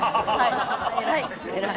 「偉い。